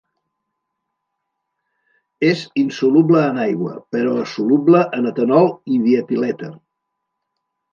És insoluble en aigua però soluble en etanol i dietilèter.